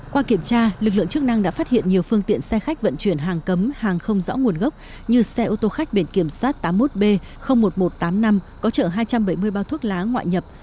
qua kiểm tra lực lượng chức năng đã phát hiện nhiều phương tiện xe khách vận chuyển hàng cấm hàng không rõ nguồn gốc như xe ô tô khách biển kiểm soát tám mươi một b một nghìn một trăm tám mươi năm có trợ hai trăm bảy mươi bao thuốc lá ngoại nhập